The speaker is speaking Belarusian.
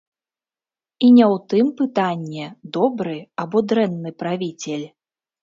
І не ў тым пытанне, добры або дрэнны правіцель.